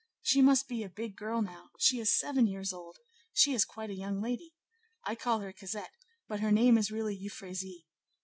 she must be a big girl now; she is seven years old; she is quite a young lady; I call her Cosette, but her name is really Euphrasie.